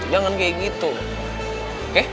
jangan kayak gitu oke